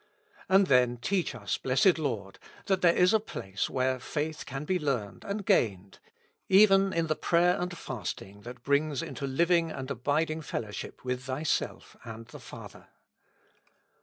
And then teach us, Blessed Lord, that there is a place where faith can be learned and gained, — even in the prayer and fasting that brings into living and abiding fellowship with Thyself and the Father.